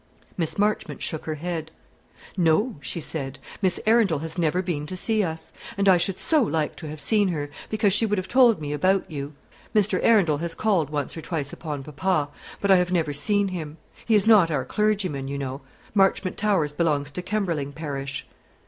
Mary Marchmont shook her head. "No," she said; "Miss Arundel has never been to see us; and I should so like to have seen her, because she would have told me about you. Mr. Arundel has called one or twice upon papa; but I have never seen him. He is not our clergyman, you know; Marchmont Towers belongs to Kemberling parish."